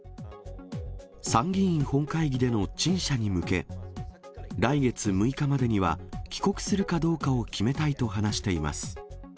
参議院本会議での陳謝に向け、来月６日までには、帰国するかどうかを決めたいと話しています。